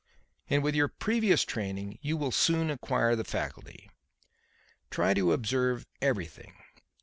And, with your previous training, you will soon acquire the faculty. Try to observe everything.